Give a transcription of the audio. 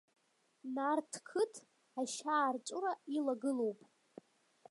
Нарҭқыҭ ашьаарҵәыра илагылоуп!